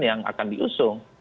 yang akan diusung